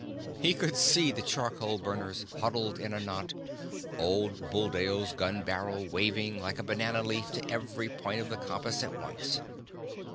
He could see the charcoal burners huddled in a knot; old Buldeo's gun barrel waving, like a banana leaf, to every point of the compass at once.